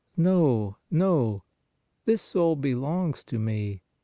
No, no! This soul be longs to me!